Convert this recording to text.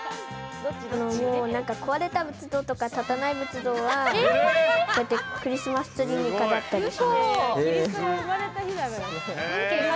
もう壊れた仏像とか立たない仏像はこうやってクリスマスツリーに飾ったりします。